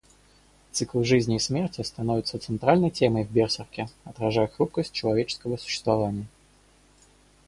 Циклы жизни и смерти становятся центральной темой в Берсерке, отражая хрупкость человеческого существования.